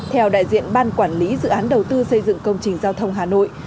theo đại diện ban quản lý dự án đầu tư xây dựng công trình giao thông hà nội